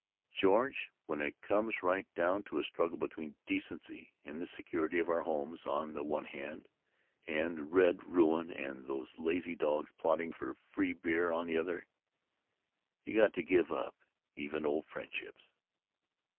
"George, when it comes right down to a struggle between decency and the security of our homes on the one hand, and red ruin and those lazy dogs plotting for free beer on the other, you got to give up even old friendships.